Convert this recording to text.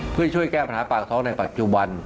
เพื่อช่วยแก้ปัญหาปากท้องในปัจจุบัน